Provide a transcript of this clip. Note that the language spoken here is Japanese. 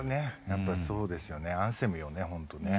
やっぱりそうですよねアンセムよね本当ね。